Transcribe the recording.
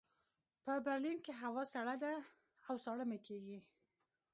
په برلین کې هوا سړه ده او ساړه مې کېږي